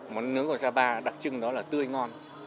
món nướng của sapa đặc trưng đó là tươi ngon